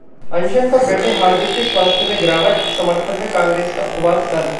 अनशन पर बैठे हार्दिक के स्वास्थ्य में गिरावट, समर्थन में कांग्रेस का उपवास कल